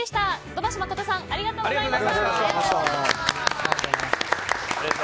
土橋真さんありがとうございました。